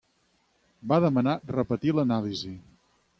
Va demanar repetir l'anàlisi.